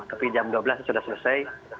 tapi jam dua belas sudah selesai